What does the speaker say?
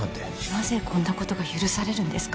なぜ、こんなことが許されるんですか？